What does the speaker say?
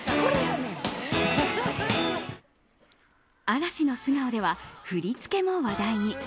「嵐の素顔」では振り付けも話題に。